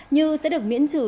như sẽ được miễn trừ